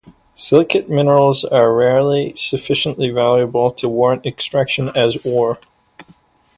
Silicate minerals are rarely sufficiently valuable to warrant extraction as ore.